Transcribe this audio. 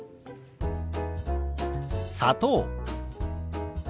「砂糖」。